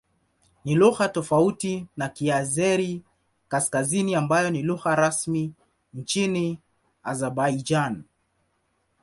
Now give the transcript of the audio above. Ni lugha tofauti na Kiazeri-Kaskazini ambayo ni lugha rasmi nchini Azerbaijan.